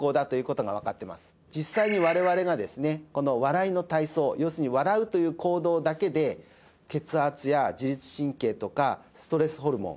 実際に我々がですねこの笑いの体操要するに笑うという行動だけで血圧や自律神経とかストレスホルモン